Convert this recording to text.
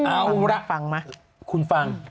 อ้าวละคุณฟัง